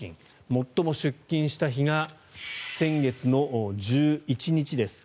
最も出金した日が先月の１１日です。